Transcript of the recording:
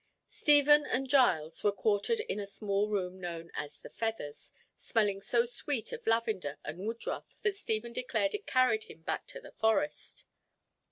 Stephen and Giles were quartered in a small room known as the Feathers, smelling so sweet of lavender and woodruff that Stephen declared it carried him back to the Forest.